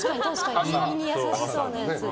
胃に優しそうなやつ。